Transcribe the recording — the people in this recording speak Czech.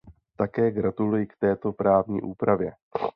Také gratuluji k této právní úpravě.